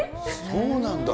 そうなんだ。